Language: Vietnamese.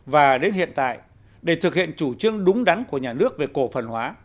và đến hiện tại để thực hiện chủ trương đúng đắn của nhà nước về cổ phần hóa